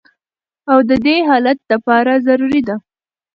او د دې حالت د پاره ضروري ده